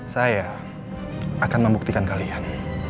saya akan membuktikan kalian